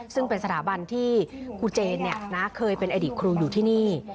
ซึ่งเป็นสถาบันที่ครูเจนเคยเป็นอดีตครูอยู่ที่นี่